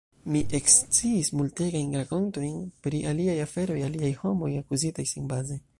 Mi eksciis multegajn rakontojn pri aliaj aferoj, aliaj homoj, akuzitaj senbaze.